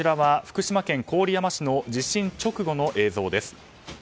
福島県郡山市の地震直後の映像です。